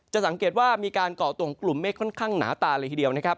จะสังเกตว่ามีการเกาะตัวของกลุ่มเมฆแบบนี้เลยทีเดียว